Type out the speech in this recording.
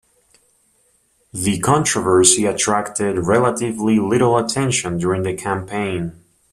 The controversy attracted relatively little attention during the campaign.